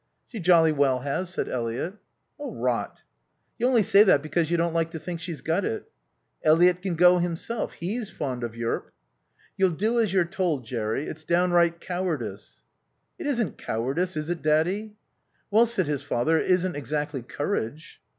"She jolly well has," said Eliot. "Rot." "You only say that because you don't like to think she's got it." "Eliot can go himself. He's fond of Yearp." "You'll do as you're told, Jerry. It's downright cowardice." "It isn't cowardice, is it, Daddy?" "Well," said his father, "it isn't exactly courage."